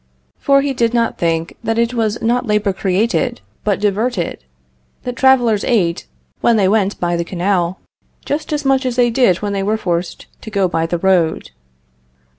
For he did not think that it was not labor created, but diverted; that travelers ate when they went by the canal just as much as they did when they were forced to go by the road.